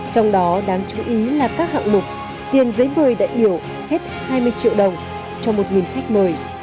trong đó đáng chú ý là các hạng mục tiền giấy mời đại biểu hết hai mươi triệu đồng cho một khách mời